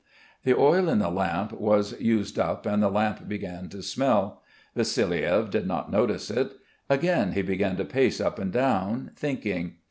The oil in the lamp was used up and the lamp began to smell. Vassiliev did not notice it. Again he began to pace up and down, thinking.